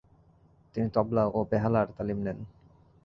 তিনি তবলা ও বেহালার তালিম নেন।